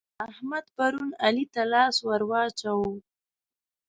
احمد پرون علي ته لاس ور واچاوو.